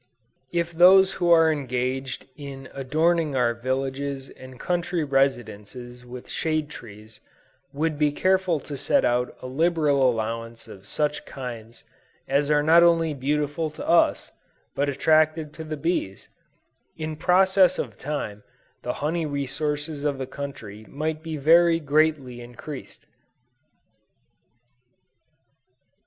If those who are engaged in adorning our villages and country residences with shade trees, would be careful to set out a liberal allowance of such kinds as are not only beautiful to us, but attractive to the bees, in process of time the honey resources of the country might be very greatly increased.